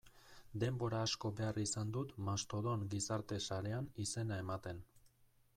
Denbora asko behar izan dut Mastodon gizarte sarean izena ematen.